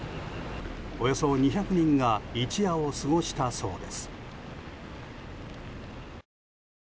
およそ２００人が一夜を過ごしたそうです。